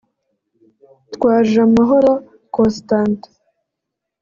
Twajamahoro Constantin